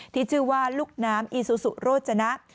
ที่ชื่อว่าลูกน้ำอีซูซูโรจนะ